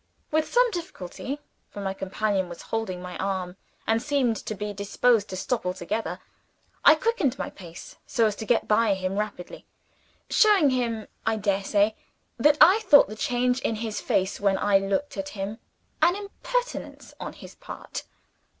With some difficulty for my companion was holding my arm, and seemed to be disposed to stop altogether I quickened my pace so as to get by him rapidly; showing him, I dare say, that I thought the change in his face when I looked at him, an impertinence on his part.